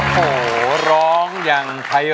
ขอบคุณครับ